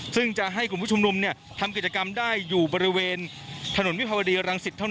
ซึ่งจะให้กลุ่มผู้ชุมนุมทำกิจกรรมได้อยู่บริเวณถนนวิภาวดีรังสิตเท่านั้น